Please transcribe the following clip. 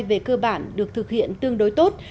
về cơ bản được thực hiện tương đối tốt